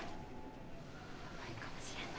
・ヤバいかもしれない。